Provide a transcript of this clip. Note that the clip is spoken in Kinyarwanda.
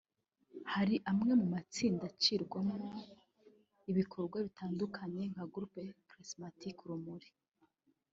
Hari amwe mu matsinda acishwamo ibikorwa bitandukanye nka Groupe Charismatique Urumuri